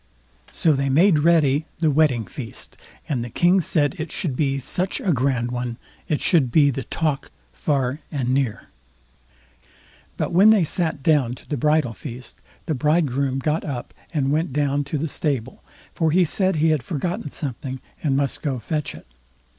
So they made ready the wedding feast, and the King said it should be such a grand one, it should be the talk far and near. But when they sat down to the bridal feast, the bridegroom got up and went down to the stable, for he said he had forgotten something, and must go to fetch it.